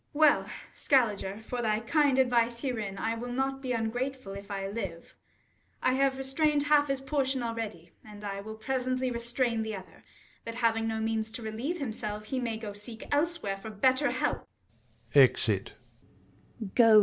Well, Skalliger, for thy kind advice herein, I will not be ungrateful, if I live : I have restrained half his portion already, And I will presently restrain the other, 35 Thatjiajirinj^^ He may go seek elsewhere for better help.